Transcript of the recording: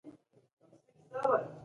د ویب امنیت هیکینګ ته خنډ جوړوي.